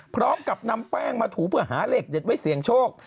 พร้อมกับนำแป้งมาถูเพื่อหาเลขเด็ดไว้เสี่ยงโชค